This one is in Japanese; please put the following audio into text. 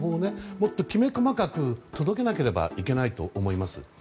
もっときめ細かく届けなければいけないと思います。